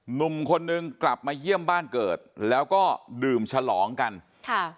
หนุ่มคนนึงกลับมาเยี่ยมบ้านเกิดแล้วก็ดื่มฉลองกันค่ะ